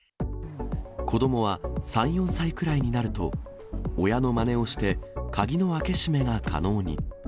子どもは３、４歳くらいになると、親のまねをして、鍵の開け閉めが可能に。